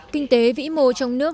kinh tế vĩ mô trong nước